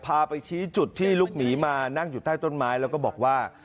พาไปชี้จุดที่ลูกหนีมานั่งอยู่ใต้ต้นไม้แล้วก็บอกว่า